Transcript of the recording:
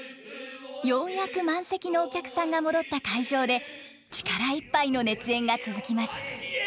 ようやく満席のお客さんが戻った会場で力いっぱいの熱演が続きます。